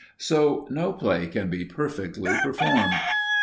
So no play can be perfectly performed.